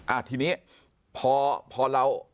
อ้าทีนี้พอเรา